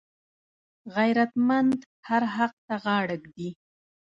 غیرتمند هر حق ته غاړه ږدي